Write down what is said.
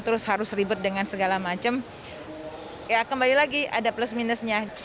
terus harus ribet dengan segala macam ya kembali lagi ada plus minusnya